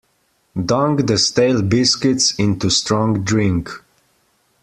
Dunk the stale biscuits into strong drink.